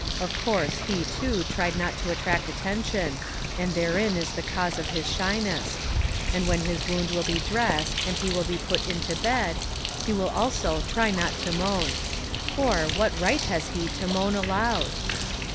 Of course, he, too, tried not to attract attention and therein is the cause of his shyness; and when his wound will be dressed and he will be put into bed, he will also try not to moan. For, what right has he to moan aloud?